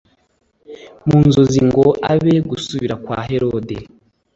mu nzozi ngo be gusubira kwa herode